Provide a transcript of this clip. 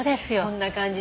そんな感じ